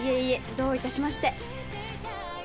どういたしまして。